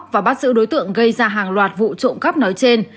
và bắt giữ đối tượng gây ra hàng loạt vụ trộm cắp nói trên